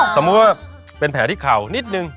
สมมุติว่าเป็นแผลที่เข่านิดนึง